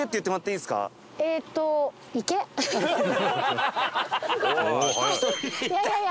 いやいやいや。